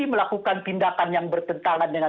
melakukan tindakan yang bertentangan dengan